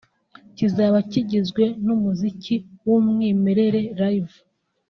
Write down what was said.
kizaba kigizwe n'umuziki w'umwimerere (Live)